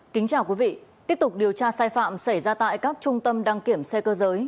kính chào quý vị tiếp tục điều tra sai phạm xảy ra tại các trung tâm đăng kiểm xe cơ giới